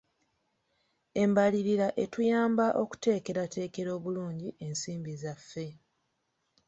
Embalirira etuyamba okuteekerateekera obulungi ensimbi zaffe.